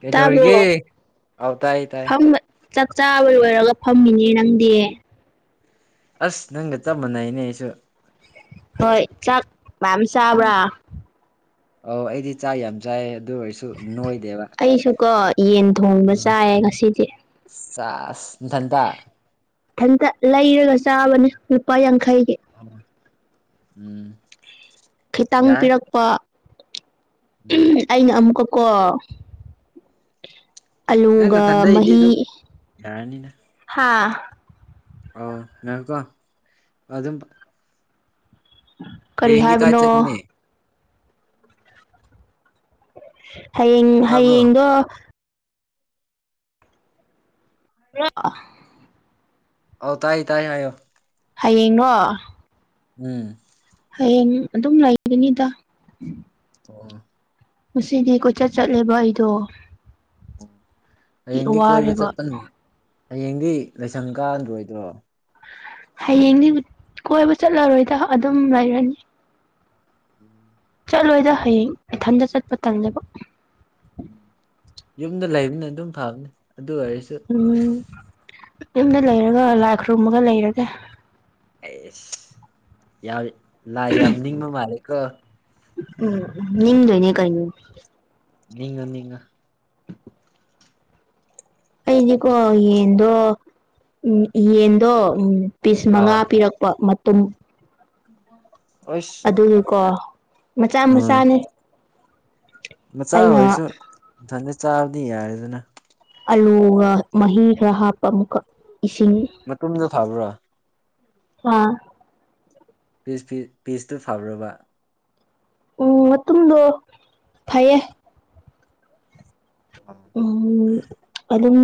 ꯀꯩꯗꯧꯔꯤꯒꯦ ꯇꯥꯕ꯭ꯔꯣ ꯑꯥꯎ ꯇꯥꯏ ꯇꯥꯏ ꯐꯝꯕ ꯆꯥꯛ ꯆꯥꯕ ꯂꯣꯏꯔꯒ ꯐꯝꯃꯤꯅꯦ ꯅꯪꯗꯤ ꯑꯁ ꯅꯪꯒ ꯆꯞ ꯃꯥꯅꯩꯅꯦ ꯑꯩꯁꯨ ꯍꯣꯏ ꯆꯥꯛ ꯃꯌꯥꯝ ꯆꯥꯕ꯭ꯔꯥ ꯑꯥ ꯑꯧ ꯑꯩꯗꯤ ꯆꯥꯛ ꯌꯥꯝ ꯆꯥꯏ ꯑꯗꯨ ꯑꯣꯏꯔꯁ ꯑꯩꯁꯨꯀꯣ ꯌꯦꯟ ꯊꯣꯡꯕ ꯆꯥꯏꯌꯦ ꯉꯁꯤꯗꯤ ꯆꯥꯁ ꯅꯊꯟꯇ ꯊꯟꯇ ꯂꯩꯔꯒ ꯆꯥꯕꯅꯤ ꯂꯨꯄꯥ ꯌꯥꯡꯈꯩꯒꯤ ꯎꯝ ꯈꯤꯇꯪ ꯌꯥꯏ ꯄꯤꯔꯛꯄ ꯎꯝ ꯑꯩꯅ ꯑꯃꯨꯛꯀ ꯀꯣ ꯅꯪ ꯑꯂꯨꯒ ꯅꯊꯟꯗꯩꯗꯤ ꯃꯥꯍꯤ ꯑꯗꯨꯝ ꯌꯥꯔꯅꯤꯅ ꯑꯥ ꯌꯥꯔꯦꯒꯣ ꯑꯗꯨꯝ ꯀꯔꯤ ꯍꯌꯦꯡꯗꯤ ꯀꯥꯏ ꯍꯥꯏꯕꯅꯣ ꯆꯠꯒꯅꯤ ꯍꯌꯦꯡ ꯇꯥꯕ꯭ꯔꯣ ꯍꯌꯦꯡꯗꯣ ꯣ [unintelligible] ꯑꯧ ꯇꯥꯏ ꯇꯥꯏ ꯑꯣ ꯍꯌꯦꯡꯔꯣ ꯎꯝ ꯍꯌꯦꯡ ꯑꯗꯨꯝ ꯂꯩꯒꯅꯤꯗ ꯎꯝ ꯉꯁꯤꯗꯤ ꯀꯣꯏꯆꯠ ꯆꯠꯂꯦꯕ ꯑꯩꯗꯣ ꯑꯣ ꯍꯌꯦꯡꯗꯤ ꯀꯣꯏꯕ ꯋꯥꯔꯦꯕ ꯆꯠꯀꯅꯨ ꯍꯌꯦꯡꯗꯤ ꯂꯥꯏꯁꯪ ꯀꯥꯔꯣꯏꯗ꯭ꯔꯣ ꯍꯌꯦꯡꯗꯤ ꯀꯣꯏꯕ ꯆꯠꯂꯔꯣꯏꯗ ꯑꯗꯨꯝ ꯂꯩꯔꯅꯤ ꯎꯝ ꯆꯠꯂꯣꯏꯗ ꯍꯌꯦꯡ ꯏꯊꯟꯇ ꯆꯠꯄ ꯇꯥꯜꯂꯦꯕ ꯎꯝ ꯌꯨꯝꯗ ꯂꯩꯕꯅ ꯑꯗꯨꯝ ꯐꯕꯅꯤ ꯑꯗꯨ ꯑꯣꯏꯔꯁꯨ ꯎꯝ ꯌꯨꯝꯗ ꯂꯩꯔꯒ ꯂꯥꯏ ꯈꯨꯔꯨꯝꯃꯒ ꯂꯩꯔꯒꯦ ꯑꯦꯁ ꯂꯥꯏ ꯌꯥꯝ ꯅꯤꯡꯕ ꯃꯥꯜꯂꯦꯀꯣ ꯎꯝ ꯅꯤꯡꯗꯣꯏꯅꯦ ꯀꯩꯅꯣ ꯃꯤꯉ ꯅꯤꯡꯉ [unintelligible] ꯑꯩꯗꯤꯀꯣ ꯌꯦꯟꯗꯣ ꯎꯝ ꯌꯦꯟꯗꯣ ꯎꯝ ꯄꯤꯁ ꯃꯉꯥ ꯄꯤꯔꯛꯄ ꯃꯇꯨꯝ ꯑꯩꯁ ꯀꯣ ꯃꯆꯥ ꯃꯆꯥꯅꯦ ꯃꯆꯥ ꯑꯩꯅ ꯑꯣꯏꯔꯁꯨ ꯏꯟꯊꯟꯗ ꯆꯥꯕꯗꯤ ꯌꯥꯔꯦꯗꯅ ꯑꯂꯨꯒ ꯃꯍꯤꯒ ꯍꯥꯞꯄ ꯑꯃꯨꯛꯀ ꯏꯁꯤꯡ ꯃꯇꯨꯝꯗꯣ ꯐꯕ꯭ꯔꯣ ꯑꯥ ꯄꯤꯁ ꯄꯤꯁꯇ [unintelligible] ꯎꯝ ꯃꯇꯨꯝꯗꯣ ꯐꯩꯌꯦ ꯎꯝ ꯑꯗꯨꯝ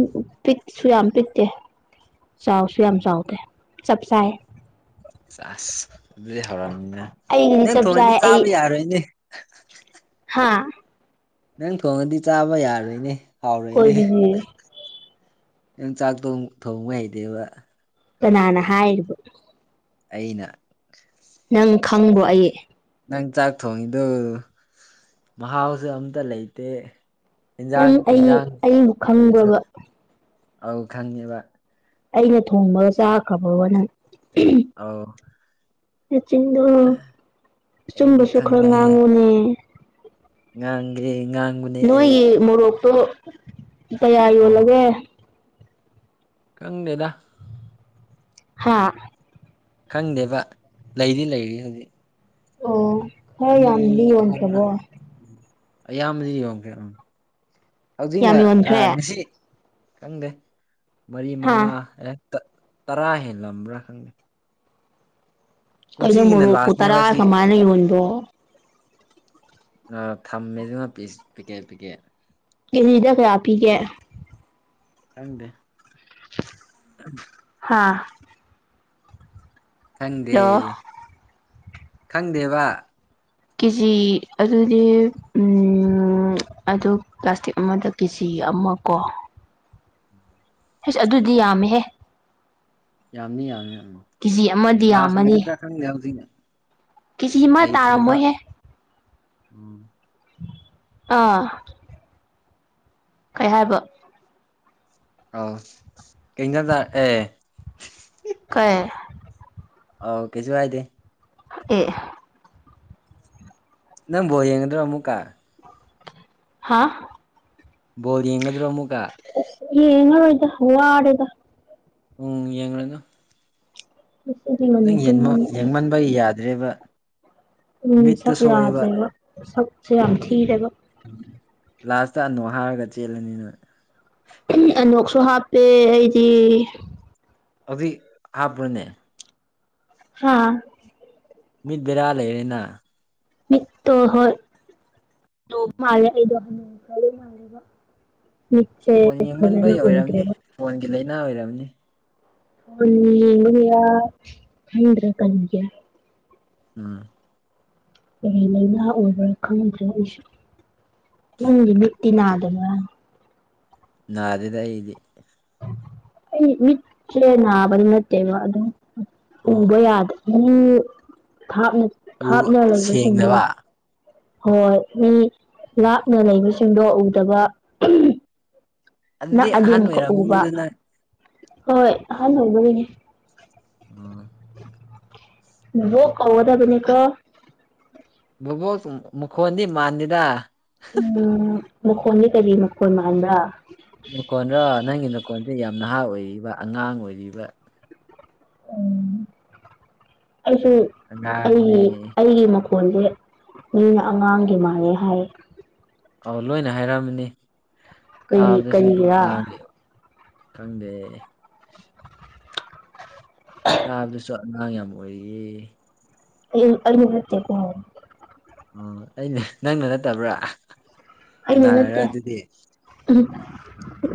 ꯄꯤꯛꯁꯨ ꯌꯥꯝ ꯄꯤꯛꯇꯦ ꯆꯥꯎꯁꯨ ꯌꯥꯝ ꯎꯝ ꯆꯥꯎꯗꯦ ꯆꯞ ꯆꯥꯢ ꯆꯥꯁ ꯑꯗꯨꯗꯤ ꯍꯧꯔꯝꯅꯤꯅ ꯑꯩꯒꯤꯗꯤ ꯅꯪ ꯊꯣꯡꯉꯗꯤ ꯆꯥꯕ ꯌꯥꯔꯣꯏꯅꯦ ꯍꯥꯥ ꯅꯪ ꯊꯣꯡꯉꯗꯤ ꯆꯥꯕ ꯌꯥꯔꯣꯏꯅꯦ ꯍꯥꯎꯔꯣꯏꯅꯦ ꯀꯣꯏꯔꯤꯒꯦ ꯌꯥꯝ ꯆꯥꯛ ꯊꯣꯡꯕ ꯍꯩꯇꯦꯕ ꯀꯅꯥꯅ ꯍꯥꯏꯔꯤꯕ ꯑꯩꯅ ꯅꯪ ꯈꯪꯕ꯭ꯔꯣ ꯑꯩ ꯅꯪ ꯆꯥꯛ ꯊꯣꯡꯉꯤꯗꯨ ꯃꯍꯥꯎꯁꯨ ꯑꯝꯇ ꯂꯩꯇꯦ ꯎꯪ ꯏꯟꯖꯥꯡ ꯑꯩ ꯏꯟꯖꯥꯡ ꯑꯩꯕꯨ ꯑꯣꯏꯔꯁꯨ ꯈꯪꯕ꯭ꯔꯕꯥ ꯑꯧ ꯈꯪꯉꯦꯕ ꯑꯩꯅ ꯊꯣꯡꯕꯒ ꯆꯥꯈ꯭ꯔꯕꯥ ꯅꯪ ꯑꯥꯎ ꯃꯆꯤꯟꯗꯣ ꯑꯩꯗꯤ ꯑꯆꯨꯝꯕꯁꯨ ꯈꯔ ꯉꯥꯡꯉꯨꯅꯦ ꯉꯥꯡꯒꯤ ꯉꯥꯡ ꯅꯣꯏꯒꯤ ꯃꯣꯔꯣꯛꯇꯣ ꯀꯌꯥ ꯑꯣ ꯌꯣꯜꯂꯒꯦ ꯈꯪꯗꯦꯗ ꯍꯥꯥ ꯈꯪꯗꯦꯕ ꯂꯩꯗꯤ ꯂꯩꯔꯤ ꯍꯧꯖꯤꯛ ꯑꯣ ꯈꯔ ꯑꯅꯤ ꯌꯥꯝꯗꯤ ꯑꯍꯨꯝꯅ ꯌꯣꯟꯈ꯭ꯔꯕꯣ ꯑꯌꯥꯝꯕꯗꯤ ꯌꯣꯡꯈ꯭ꯔꯦ ꯎꯝ ꯍꯧꯖꯤꯛꯅ ꯌꯥꯝ ꯌꯣꯟꯈ꯭ꯔꯦ ꯉꯁꯤ ꯈꯪꯗꯦ ꯃꯔꯤ ꯍꯥ ꯃꯉꯥ ꯑꯦ ꯇꯔꯥ ꯍꯦꯜꯂꯝꯕ꯭ꯔꯥ ꯈꯪꯗꯦ ꯀꯩꯅꯣ ꯀꯨꯝꯁꯤꯒꯤꯅ ꯃꯣꯔꯣꯛꯄꯨ ꯂꯥꯁꯅꯦꯕ ꯇꯔꯥ ꯁꯤ ꯀꯃꯥꯏꯅ ꯌꯣꯟꯗꯣ ꯑ ꯊꯝꯃꯦ ꯑꯗꯨꯅ ꯄꯤꯁ ꯄꯤꯀꯦꯠ ꯄꯤꯀꯦꯠ ꯀꯦꯖꯤꯗ ꯀꯌꯥ ꯄꯤꯒꯦ ꯈꯪꯗꯦ ꯍꯥꯥ ꯈꯪꯗꯦ ꯍꯜꯂꯣ ꯈꯪꯗꯦꯕ ꯀꯦꯖꯤ ꯑꯗꯨꯗꯤ ꯑꯝ ꯑꯗꯨ ꯄ꯭ꯂꯥꯁꯇꯤꯛ ꯑꯃꯗ ꯀꯦꯖꯤ ꯑꯃ ꯀꯣ ꯍꯁ ꯑꯗꯨꯗꯤ ꯌꯥꯝꯃꯦꯍꯦ ꯌꯥꯝꯅꯤ ꯌꯥꯝꯃꯤ ꯌꯥꯝ ꯀꯦꯖꯤ ꯑꯃꯗꯤ ꯌꯥꯝꯃꯅꯤ ꯂꯥꯁꯂ ꯈꯪꯗꯦ ꯀꯦꯖꯤ [unintelligible] ꯑꯃ ꯂꯩꯇ꯭ꯔꯦꯕ ꯇꯥꯔꯝꯃꯣꯏꯍꯦ ꯎꯝ ꯑꯥ ꯀꯩ ꯍꯥꯏꯕ ꯑꯥꯎ ꯀꯩꯗꯗ ꯑꯦ ꯀꯩ ꯑꯥꯎ ꯀꯩꯁꯨ ꯍꯥꯏꯗꯦ ꯑꯦ ꯅꯪ ꯕꯣꯜ ꯌꯦꯡꯒꯗ꯭ꯔꯣ ꯑꯃꯨꯛꯀꯥ ꯍꯥꯥ ꯕꯣꯜ ꯌꯦꯡꯒꯗ꯭ꯔꯣ ꯑꯃꯨꯛꯀ ꯌꯦꯡꯉꯔꯣꯏꯗ ꯋꯥꯔꯦꯗ ꯎꯝ ꯌꯦꯡꯂꯅꯨ ꯎ [unintelligible] ꯅꯪ ꯌꯦꯡꯃꯟꯕꯩ ꯌꯥꯗ꯭ꯔꯦꯕ ꯎꯝ ꯁꯛ ꯃꯤꯠꯇꯨ ꯁꯣꯛꯑꯦꯕ ꯌꯥꯗ꯭ꯔꯦꯕ ꯁꯛꯁꯦ ꯌꯥꯝ ꯊꯤꯔꯦꯕ ꯂꯥꯁꯇ ꯑꯅꯨ ꯍꯥꯏꯔꯒ ꯆꯦꯜꯂꯅꯤ ꯅꯣꯏ ꯑꯅꯣꯛꯁꯨ ꯍꯥꯞꯇꯦ ꯑꯩꯗꯤ ꯍꯧꯖꯤꯛ ꯍꯥꯥꯞꯕ꯭ꯔꯥꯅꯦ ꯍꯥ ꯃꯤꯠ ꯕꯦꯔꯥ ꯂꯩꯔꯦꯅ ꯃꯤꯠꯇꯣ ꯍꯣꯏ ꯃꯥꯜꯂꯦ [unintelligible] ꯑꯩꯗꯣ ꯍ [unintelligible] ꯃꯤꯠꯁꯦ ꯐꯣꯟ ꯐꯖꯅ ꯌꯦꯡꯃꯟꯕꯩ ꯑꯣꯏꯔꯝꯅꯤ ꯎꯗ꯭ꯔꯦꯕ ꯐꯣꯟꯒꯤ ꯂꯥꯏꯅꯥ ꯑꯣꯏꯔꯝꯅꯤ ꯍꯌꯥ [unintelligible] ꯈꯪꯗꯔ꯭ꯦ ꯀꯔꯤꯒꯤꯔ ꯎꯝ ꯂꯥꯏꯅꯥ ꯑꯣꯏꯕ꯭ꯔꯥ ꯈꯪꯗ꯭ꯔꯦ ꯑꯩꯁꯨ ꯅꯪꯗꯤ ꯃꯤꯠꯇꯤ ꯅꯥꯗꯕ꯭ꯔꯥ ꯅꯥꯗꯦꯗ ꯑꯩꯗꯤ ꯑꯩ ꯃꯤꯠꯁꯦ ꯅꯥꯕꯗꯤ ꯅꯠꯇꯦꯕ ꯑꯗꯨꯝ ꯑꯣ ꯎꯕ ꯌꯥꯗꯕ ꯃꯤ ꯊꯥꯞꯅ ꯎ ꯊꯥꯞꯅ ꯂꯩꯕꯁꯤꯡꯗꯣ ꯁꯦꯡꯗꯕ ꯍꯣꯏ ꯃꯤ ꯂꯥꯞꯅ ꯂꯩꯕꯁꯤꯡꯗꯣ ꯎꯗꯕ ꯑꯗꯨꯗꯤ ꯅꯥꯛꯑꯗꯤ ꯑꯍꯟ ꯑꯃꯨꯛꯒ ꯎꯕ ꯑꯣꯏꯔꯝꯅꯤꯗ ꯅꯪ ꯍꯣꯏ [unintelligible] ꯎꯝ ꯕꯣꯛ ꯀꯧꯒꯗꯕꯅꯦ ꯀꯣ ꯕꯣꯕꯣꯛ ꯃꯈꯣꯟꯗꯤ ꯃꯥꯟꯗꯦꯗ ꯎꯝ ꯃꯈꯣꯟꯗꯤ ꯀꯔꯤ ꯃꯈꯣꯟ ꯃꯥꯟꯕ꯭ꯔꯥ ꯅꯈꯣꯟꯗꯣ ꯅꯪꯒꯤ ꯅꯈꯣꯜꯁꯦ ꯌꯥꯝ ꯅꯍꯥ ꯑꯣꯏꯔꯤꯕ ꯑꯉꯥꯡ ꯑꯣꯏꯔꯤꯕ ꯎꯝ ꯑꯩꯁꯨ ꯑꯩꯒꯤ ꯑꯉꯥꯡꯅꯦ ꯑꯩꯒꯤ ꯈꯣꯟꯁꯦ ꯃꯤꯅ ꯑꯉꯥꯡꯒꯤ ꯃꯥꯥꯟꯂꯦ ꯍꯥꯏ ꯑꯧ ꯂꯣꯏꯅ ꯍꯥꯏꯔꯝꯃꯅꯤ ꯀꯔꯤ ꯇꯥꯕꯗꯁꯨ ꯑꯗꯨꯝ ꯀꯔꯤꯒꯤꯔꯥ ꯑꯉꯥꯡꯒꯤ ꯈꯪꯗꯦ ꯇꯥꯕꯗꯁꯨ ꯑꯉꯥꯡ ꯌꯥꯝ ꯑꯣꯏꯔꯤ ꯑꯩꯗꯤ ꯑꯍꯥꯟ ꯅꯠꯇꯦꯒꯣ ꯑꯣ ꯑꯩꯅꯦ ꯅꯪꯅ ꯅꯠꯇꯕ꯭ꯔꯥ ꯑꯩꯅ ꯀꯅꯥꯅꯔ ꯅꯠꯇꯦ ꯑꯗꯨꯗꯤ ꯎꯝ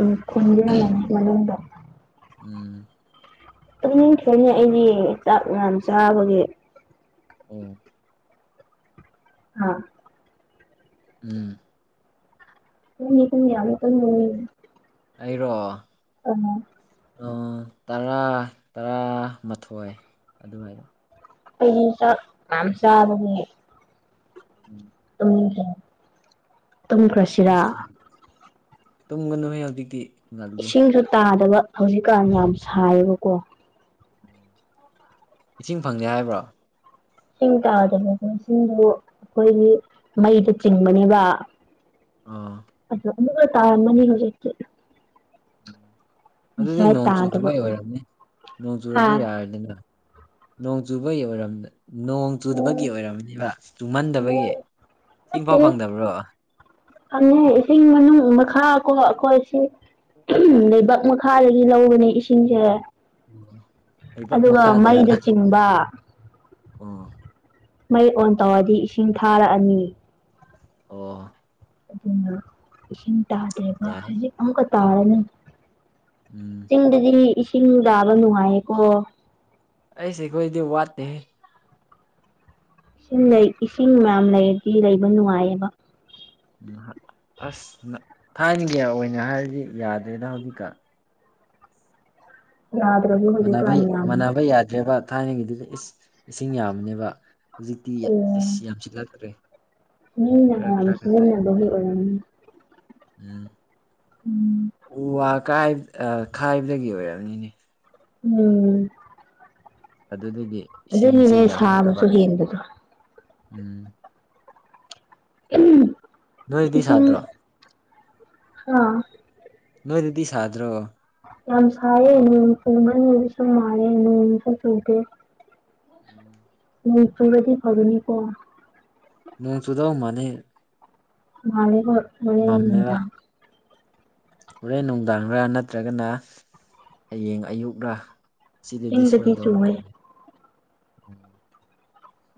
ꯎꯝ ꯈꯣꯟꯖꯦꯜꯅꯅꯤ ꯃꯅꯨꯡꯗ ꯎꯝ ꯇꯨꯝꯅꯤꯡꯈ꯭ꯔꯦꯅꯦ ꯑꯩꯗꯤ ꯆꯥꯛ ꯌꯥꯝ ꯆꯥꯕꯒꯤ ꯎꯝ ꯍꯥ ꯎꯝ ꯅꯪꯗꯤ ꯄꯨꯡ ꯀꯋꯥꯗ ꯇꯨꯝꯗꯣꯏꯅꯣ ꯑꯩꯔꯣ ꯎꯝ ꯇꯔꯥ ꯇꯔꯥꯃꯊꯣꯏ ꯑꯗꯨꯋꯥꯏꯗ ꯑꯩꯗꯤ ꯆꯥꯛ ꯌꯥꯝꯅꯆꯥꯕꯒꯤ ꯎꯝ ꯇꯨꯝꯅꯤꯡꯈ꯭ꯔꯦ ꯇꯨꯝꯈ꯭ꯔꯁꯦ ꯑꯩꯁ ꯇꯨꯝꯒꯅꯨꯍꯦ ꯍꯧꯖꯤꯛꯇꯤ ꯉꯜꯂꯤ ꯏꯁꯤꯡꯁꯨ ꯇꯥꯗꯕ ꯍꯧꯖꯤꯛꯀꯥꯟ ꯌꯥꯝ ꯁꯥꯏꯌꯦꯕꯀꯣ ꯏꯁꯤꯡ ꯐꯪꯗꯦ ꯍꯥꯏꯕ꯭ꯔꯣ ꯏꯁꯤꯡ ꯇꯥꯗꯕꯁꯤꯡꯗꯨ ꯑꯩꯈꯣꯏꯒꯤ ꯃꯩꯗ ꯆꯤꯡꯕꯅꯦꯕ ꯑꯥ ꯑꯃꯨꯛꯀ ꯇꯥꯔꯝꯃꯅꯤ ꯍꯧꯖꯤꯛꯇꯤ ꯑꯗꯨꯗꯤ ꯉꯁꯥꯏ ꯇꯥꯗꯕ ꯅꯣꯡꯆꯨꯗꯕꯒꯤ ꯑꯣꯏꯔꯝꯅꯤ ꯅꯣꯡ ꯆꯨꯨꯔꯗꯤ ꯍꯥꯥ ꯌꯥꯔꯅꯤꯅ ꯅꯣꯡ ꯆꯨꯕꯒꯤ ꯑꯣꯏꯔꯝ ꯅꯣꯡ ꯆꯨꯗꯕꯒꯤ ꯑꯣꯏꯔꯝꯅꯦꯕ ꯆꯨꯝꯃꯟꯗꯕꯒꯤ ꯏꯁꯤꯡꯐꯥꯎ ꯅꯠꯇꯦꯍꯦ ꯐꯪꯗꯕ꯭ꯔꯣ ꯐꯪꯉꯦ ꯏꯁꯤꯡ ꯃꯅꯨꯡ ꯃꯈꯥ ꯀꯣ ꯑꯩꯈꯣꯏ ꯁꯤ ꯂꯩꯕꯥꯛ ꯃꯈꯥꯗꯒꯤ ꯂꯧꯕꯅꯦ ꯏꯁꯤꯡꯁꯦ ꯑꯣ ꯂꯩꯕꯥꯛ ꯑꯗꯨꯒ ꯃꯈꯥꯗꯔꯥ [unintelligible] ꯑꯣ ꯃꯩ ꯑꯣꯟ ꯇꯧꯔꯗꯤ ꯏꯁꯤꯡ ꯊꯥꯔꯛꯑꯅꯤ ꯑꯣ ꯑꯗꯨꯅ ꯏꯁꯤꯡ ꯇꯥꯗ꯭ꯔꯦꯕ ꯌꯥꯏ ꯍꯧꯖꯤꯛ ꯑꯃꯨꯛꯀ ꯇꯥꯔꯅꯤ ꯎꯝ ꯆꯤꯡꯗꯗꯤ ꯏꯁꯤꯡ ꯇꯥꯕ ꯅꯨꯡꯉꯥꯏꯌꯦꯀꯣ ꯑꯩꯁ ꯑꯩꯈꯣꯏꯗꯤ ꯋꯥꯠꯇꯦꯍꯦ ꯏꯁꯤꯡ ꯂꯩ ꯏꯁꯤꯡ ꯌꯥꯝ ꯂꯩꯔꯗꯤ ꯂꯩꯕ ꯅꯨꯡꯉꯥꯏꯌꯦꯕ ꯅꯍꯛ ꯑꯁ ꯅ ꯊꯥꯏꯅꯒꯤ ꯑꯣꯏꯅ ꯍꯥꯏꯔꯗꯤ ꯌꯥꯗ꯭ꯔꯦꯗ ꯍꯧꯖꯤꯛꯀꯥꯟ ꯌꯗ꯭ꯔꯥꯕ‌ꯣ ꯃꯥꯟꯅꯕ ꯃꯥꯟꯅꯕ ꯌꯥꯗ꯭ꯔꯦꯕ ꯊꯥꯏꯅꯒꯤꯗꯨꯁꯨ ꯏꯁ ꯏꯁꯤꯡ ꯌꯥꯝꯕꯅꯦꯕ ꯍꯧꯖꯤꯛꯇꯤ ꯑꯣ ꯑꯁ ꯌꯥꯝꯁꯤꯜꯂꯛꯇ꯭ꯔꯦ ꯅ‌ꯣꯏ ꯈꯔ ꯃꯌꯥꯝ ꯈꯔ ꯈꯛꯇ ꯁꯤꯖꯤꯟꯅꯕꯒꯤ ꯑꯣꯏꯔꯝꯅꯤ ꯎꯝ ꯎꯝ ꯎ ꯋꯥ ꯀꯥꯏ ꯈꯥꯏꯕꯗꯒꯤ ꯑꯣꯏꯔꯝꯅꯤꯅꯦ ꯎꯝ ꯑꯗꯨꯗꯒꯤ ꯏꯁꯤꯡꯁꯦ ꯑꯗꯨꯒꯤꯅꯦ ꯌꯥꯝꯃꯛꯇꯕ ꯁꯥꯕꯁꯨ ꯍꯦꯟꯕꯗꯣ ꯎꯝ ꯎꯝ ꯅꯣꯏꯗꯤ ꯁꯥꯗ꯭ꯔꯣ ꯑꯥ ꯅꯣꯏꯗꯗꯤ ꯁꯥꯗ꯭ꯔꯣ ꯌꯥꯝ ꯁꯥꯏꯌꯦ ꯅꯣꯡ [unintelligible] ꯁꯨ ꯃꯥꯜꯂꯦ ꯅꯣꯡ ꯁꯨ ꯆꯨꯗꯦ ꯎꯝ ꯅ‌ꯣꯡ ꯆꯨꯔꯗꯤ ꯐꯒꯅꯤ ꯀꯣ ꯅꯣꯡ ꯆꯨꯗꯧ ꯃꯥꯂꯦ ꯃꯥꯜꯂꯦ ꯍ‌ꯣꯏ ꯍ‌ꯣꯔ‌ꯦꯟ ꯃꯝꯃꯦꯕ ꯅꯨꯃꯤꯗꯥꯡ ꯍꯣꯔꯦꯟ ꯅꯨꯡꯗꯥꯡꯔꯥ ꯅꯠꯇ꯭ꯔꯒꯅ ꯍꯌꯦꯡ ꯑꯌꯨꯛꯔ ꯁꯤꯗꯗꯤ ꯆꯤꯡꯗꯗꯤ ꯁꯣꯏꯗꯧ ꯆꯨꯋꯦ ꯃꯥꯟꯗ꯭ꯔ‌ꯦ ꯎꯝ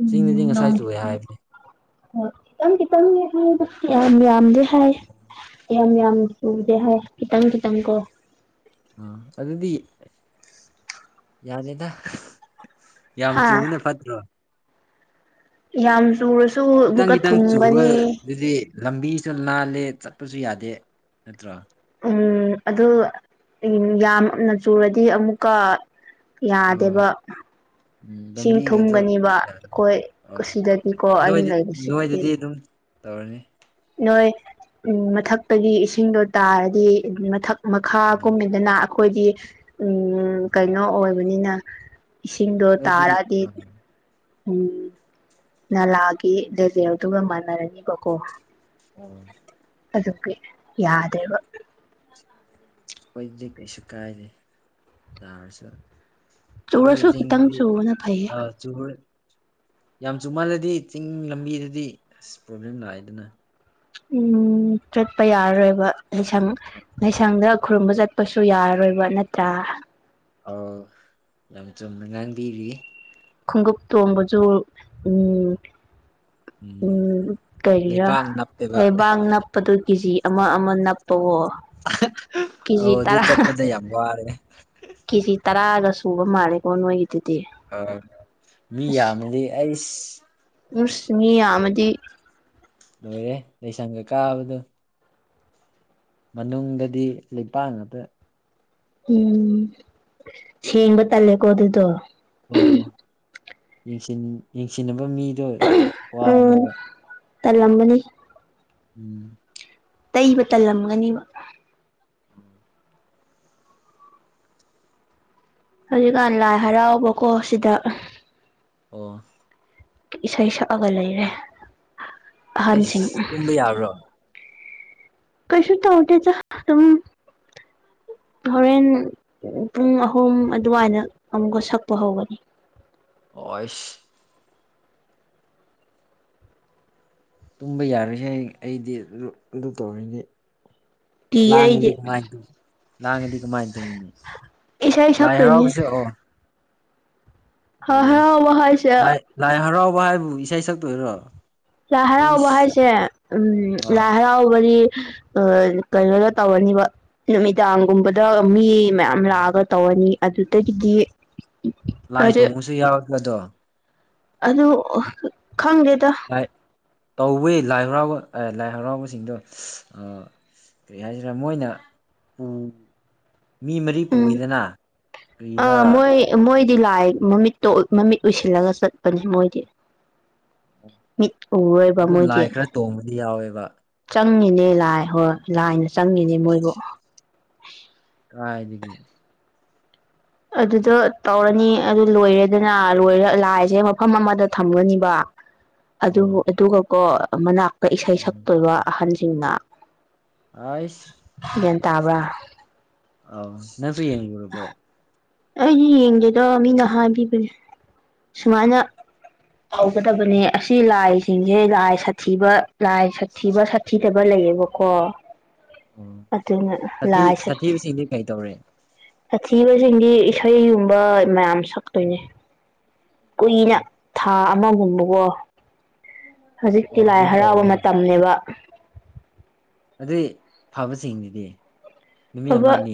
ꯆꯤꯡꯗꯗꯤ ꯉꯁꯥꯏ ꯆꯨꯏꯌ‌ꯦ ꯍꯥꯏꯕꯅꯦ ꯫ ꯍ‌ꯣꯏ ꯈꯤꯇꯪ ꯈꯤꯇꯪꯅꯤ ꯍꯥꯏꯌ‌ꯦꯗ ꯌꯥꯝ ꯌꯥꯝꯗ‌ꯦ ꯍꯥꯏ ꯌꯥꯝ ꯌꯥꯝꯅ ꯆꯨꯗꯦ ꯍꯥꯏ ꯈꯤꯇꯪ ꯈꯤꯇꯪ ꯀꯣ ꯑ ꯑꯗꯨꯗꯤ ꯌꯥꯗ‌ꯦꯗ ꯌꯥꯝ ꯍꯥ ꯆꯨꯕꯅ ꯐꯠꯇ꯭ꯔꯣ? ꯌꯥꯝ ꯆꯨꯔꯁꯨ ꯈꯤꯇꯪ ꯑꯃꯨꯛꯀ ꯈꯤꯇꯪ ꯆꯨꯕ ꯊꯨꯝꯒꯅꯤ ꯗꯨꯗꯤ ꯂꯝꯕꯤꯁꯨ ꯅꯥꯜꯂꯦ ꯆꯠꯄꯁꯨ ꯌꯥꯗꯦ ꯅꯠꯇ꯭ꯔꯣ ꯎꯝ ꯑꯗꯨ ꯎꯝ ꯌꯥꯝꯅ ꯆꯨꯔꯗꯤ ꯑꯃꯨꯛꯀ ꯑꯥ ꯌꯥꯗꯦꯕ ꯎꯝ ꯏꯁꯤꯡ ꯂꯝꯕꯤꯒꯗꯣ ꯊꯨꯝꯒꯅꯤꯕ ꯌꯥꯝ ꯑꯩꯈꯣꯏ ꯑꯥ ꯁꯤꯗꯒꯤꯀꯣ ꯅꯣꯏꯗꯤ ꯑꯩꯅ ꯂꯩꯕꯁꯤꯗꯗꯤ ꯅꯣꯏꯗꯗꯤ ꯑꯗꯨꯝ ꯇꯧꯔꯅꯤ ꯅꯣꯏ ꯎꯝ ꯃꯊꯛꯇꯒꯤ ꯏꯁꯤꯡꯗꯣ ꯇꯥꯔꯗꯤ ꯃꯊꯛ ꯃꯈꯥ ꯑꯥ ꯀꯨꯝꯃꯤꯗꯅ ꯑꯩꯈꯣꯏꯗꯤ ꯎꯝ ꯑꯥ ꯀꯩꯅꯣ ꯑꯣꯏꯕꯅꯤꯅ ꯏꯁꯤꯡꯗ‌ꯣ ꯅꯣꯏꯗꯤ ꯇꯥꯔꯛꯑꯗꯤ ꯑꯥ ꯎꯝ ꯅꯂꯥꯒꯤ ꯂꯦꯚ‌ꯦꯜꯗꯨꯒ ꯃꯥꯟꯅꯔꯅꯤꯕꯀꯣ ꯎꯝ ꯑꯗꯨꯒꯤ ꯌꯥꯗꯦꯕ ꯈ‌ꯣꯏꯗꯤ ꯀꯩꯁꯨ ꯀꯥꯏꯗ‌ꯦ ꯇꯥꯔꯁꯨ ꯆꯨꯔꯁꯨ ꯈꯤꯇꯪ ꯆꯨꯕꯅ ꯐꯩꯌꯦ ꯆꯨꯕ ꯌꯥꯝ ꯆꯨꯃꯜꯂꯗꯤ ꯆꯤꯡ ꯂꯝꯕꯤꯗꯗꯤ ꯑꯁ ꯄ꯭ꯔꯣꯕ꯭ꯂꯦꯝ ꯂꯥꯛꯑꯦꯗꯅ ꯎꯝ ꯆꯠꯄ ꯌꯥꯔꯔꯣꯏꯕ ꯂꯩꯁꯪ ꯂꯥꯏꯁꯪꯗ ꯈꯨꯔꯨꯝꯕ ꯆꯠꯄꯁꯨ ꯌꯥꯔꯔꯣꯏꯕ ꯅꯠꯇ꯭ꯔꯥ ꯑ‌ꯣ ꯌꯥꯝ ꯆꯨꯝꯅ ꯉꯥꯡꯕꯤꯔꯤ ꯫ ꯈꯣꯡꯎꯞ ꯇ‌ꯣꯡꯕꯁꯨ ꯎꯝ ꯎꯝ ꯀꯔꯤꯔꯥ ꯂꯩꯕꯥꯛ ꯅꯞꯄꯦꯕ ꯂꯩꯕꯥꯛ ꯅꯞ ꯄꯗꯨ ꯀꯦ ꯖꯤ ꯑꯃ ꯑꯃ ꯅꯞꯄꯋꯣ ꯑꯣ ꯀꯦꯖꯤ ꯑꯗꯨ ꯆꯠꯄꯗ ꯌꯥꯝ ꯋꯥꯕꯅꯦ ꯀꯦ ꯖꯤ ꯇꯔꯥꯒ ꯁꯨꯕ ꯃꯥꯜꯂꯦꯀꯣ ꯅꯣꯏ ꯒꯤꯗꯨꯗꯤ ꯑꯥ ꯃꯤ ꯌꯥꯝꯃꯗꯤ ꯑꯩꯁ ꯎꯁ ꯃꯤ ꯌꯥꯝꯃꯗꯤ ꯂꯣꯏꯔꯦ ꯂꯩꯁꯪꯒ ꯀꯥꯕꯗꯣ ꯃꯅꯨꯡꯗꯗꯤꯕ ꯅꯨꯄꯥ ꯉꯥꯛꯇ ꯎꯝ ꯊꯦꯡꯕ ꯇꯜꯂꯦꯀꯣ ꯑꯗꯨꯗꯣ ꯑꯣ ꯌꯦꯡ ꯌꯦꯡꯁꯤꯟꯅꯕ ꯃꯤꯗꯣ ꯋꯥꯕꯅꯦꯕ ꯇꯥꯜꯂꯝꯃꯅꯤ ꯎꯝ ꯇꯩꯕ ꯇꯜꯂꯝꯒꯅꯤꯕ ꯍꯧꯖꯤꯛꯀꯥꯟ ꯂꯥꯏ ꯍꯔꯥꯎꯕꯀꯣ ꯁꯤꯗ ꯑꯣ ꯏꯁꯩ ꯁꯛꯑꯒ ꯂꯩꯔꯦ ꯑꯍꯟꯁꯤꯡ ꯇꯥꯕ꯭ꯔꯣ ꯀꯩꯁꯨ ꯇꯧꯗꯦꯗ ꯑꯗꯨꯝ ꯍꯣꯔꯦꯟ ꯄꯨꯡ ꯑꯍꯨꯝ ꯑꯗꯨꯋꯥꯏꯅ ꯑꯃꯨꯛꯀ ꯁꯛꯄ ꯍꯧꯒꯅꯤ ꯑꯣꯏꯁ ꯇꯨꯝꯕ ꯌꯥꯔꯣꯏꯍꯦ ꯑꯩꯗꯤ ꯑꯗꯨ ꯑꯗꯨ ꯇꯧꯔꯗꯤ ꯀꯤꯌꯦ ꯂꯥꯡꯉꯗꯤ ꯑꯩꯗꯤ ꯀꯃꯥꯏꯅ ꯇꯨꯝ ꯂꯥꯡꯉꯗꯤ ꯀꯃꯥꯏꯅ ꯇꯨꯝꯒꯅꯤ ꯏꯁꯩ ꯂꯥꯏ ꯁꯛꯇꯣꯏꯅꯤ ꯍꯔꯥꯎꯕꯁꯦ ꯑꯣ ꯂꯥꯏ ꯑꯣ ꯍꯔꯥꯎꯕ ꯍꯥꯏꯁꯦ ꯂꯥꯏ ꯂꯥꯏ ꯍꯔꯥꯎꯕ ꯍꯥꯏꯕꯨ ꯏꯁꯩ ꯁꯛꯇꯣꯏꯔꯣ ꯂꯥꯏ ꯍꯔꯥꯎꯕ ꯎꯏꯁ ꯍꯥꯏꯁꯦ ꯎꯝ ꯂꯥꯏ ꯑꯥ ꯍꯔꯥꯎꯕꯗꯤ ꯑ ꯀꯩꯅꯣꯗ ꯇꯧꯔꯅꯤꯕ ꯅꯨꯃꯤꯗꯥꯡꯒꯨꯝꯕꯗ ꯃꯤ ꯃꯌꯥꯝ ꯑꯥ ꯂꯥꯛꯑꯒ ꯇꯧꯔꯅꯤ ꯑꯗꯨꯗꯒꯤꯗꯤ ꯂꯥꯏ ꯍꯧꯖꯤꯛ ꯊꯣꯡꯕꯁꯨ ꯌꯥꯎꯔꯛꯄꯗꯣ ꯑꯗꯨ ꯈꯪꯗꯦꯗ ꯇꯧꯋꯦ ꯂꯥꯏ ꯍꯔꯥꯎꯕ ꯂꯥꯏ ꯍꯔꯥꯎꯕꯁꯤꯡꯗꯣ ꯀꯔꯤ ꯍꯥꯏꯁꯤꯔꯥ ꯃꯣꯏꯅ ꯄꯨ ꯃꯤ ꯃꯔꯤ ꯎꯝ ꯄꯨꯢꯗꯅ ꯀꯔꯤꯔ ꯑꯥ ꯃꯣꯏ ꯃꯣꯏꯗꯤ ꯂꯥꯏ ꯃꯃꯤꯠꯇꯣ ꯃꯃꯤꯠ ꯎꯏꯁꯤꯜꯂꯒ ꯆꯠꯄꯅꯦ ꯃꯣꯏꯗꯤ ꯍ [inaudible] ꯑꯗꯨ ꯂꯥꯏ ꯈꯔ ꯇꯣꯡꯕꯗꯤ ꯌꯥꯎꯋꯦꯕ ꯆꯪꯉꯤꯅꯦ ꯂꯥꯏ ꯍꯣꯏ ꯂꯥꯏꯅ ꯆꯪꯉꯤꯅꯦ ꯃꯣꯏꯕꯨ ꯀꯗꯥꯢꯗꯒꯤ ꯑꯗꯨꯗꯣ ꯇꯧꯔꯅꯤ ꯑꯗꯨ ꯂꯣꯏꯔꯦꯗꯅ ꯂꯣꯏꯔ ꯂꯥꯏꯁꯦ ꯃꯐꯝ ꯑꯃꯗ ꯊꯝꯒꯅꯤꯕ ꯑꯗꯨ ꯑꯣ ꯑꯗꯨꯒꯀꯣ ꯃꯅꯥꯛꯇ ꯏꯁꯩ ꯁꯛꯇꯣꯏꯕ ꯑꯍꯟꯁꯤꯡꯅ ꯑꯩꯁ ꯒ꯭ꯌꯥꯟ ꯇꯥꯕ꯭ꯔꯥ ꯑꯥꯎ ꯅꯪꯁꯨ ꯌꯦꯡꯉꯨꯔꯕꯣ ꯑꯩꯗꯤ ꯌꯦꯡꯗꯦꯗ ꯃꯤꯅ ꯍꯥꯏꯕꯤꯕꯅꯦ ꯁꯨꯃꯥꯏꯅ ꯀꯥꯎꯒꯗꯕꯅꯦ ꯑꯁꯤ ꯂꯥꯏꯁꯤꯡꯁꯦ ꯂꯥꯏ ꯁꯥꯊꯤꯕ ꯂꯥꯏ ꯁꯥꯊꯤꯕ ꯁꯥꯊꯤꯗꯕ ꯂꯩꯌꯦꯕꯀꯣ ꯑꯣ ꯑꯗꯨꯅ ꯁꯥꯊꯤ ꯂꯥꯏ ꯆꯠꯇꯦ ꯁꯥꯊꯤꯕꯁꯤꯡꯗꯤ ꯀꯩ ꯇꯧꯔꯦ ꯁꯥꯊꯤꯕꯁꯤꯡꯗꯤ ꯏꯁꯩꯒꯨꯝꯕ ꯃꯌꯥꯝ ꯁꯛꯇꯣꯏꯅꯦ ꯑꯣ ꯀꯨꯏꯅ ꯊꯥ ꯑꯃꯒꯨꯝꯕꯀꯣ ꯍꯧꯖꯤꯛꯇꯤ ꯑꯣ ꯂꯥꯏ ꯑꯗꯨꯝ ꯍꯔꯥꯎꯕ ꯇꯧꯔꯅꯤ ꯃꯇꯝꯅꯦꯕ ꯑꯗꯨꯏ ꯐꯕꯁꯤꯡꯅꯤꯗꯤ ꯅꯨꯃꯤꯠ ꯑꯐꯕ ꯑꯃꯅꯤ